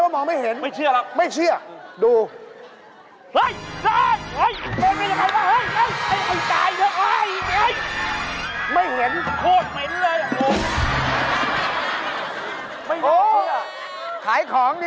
มันมองไม่เห็นเหมือนอยู่ในถ้ำมืด